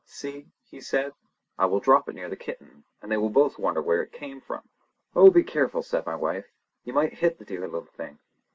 "See!" he said, "I will drop it near the kitten, and they will both wonder where it came from." "Oh, be careful," said my wife; "you might hit the dear little thing!"